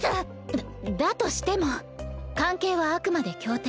だだとしても関係はあくまで協定。